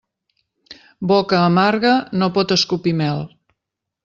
Boca amarga, no pot escopir mel.